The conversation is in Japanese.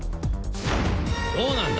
どうなんだ！